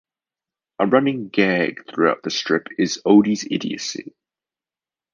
A running gag throughout the strip is Odie's idiocy.